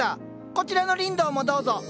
こちらのリンドウもどうぞ。